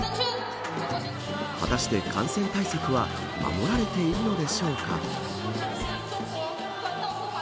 果たして感染対策は守られているのでしょうか。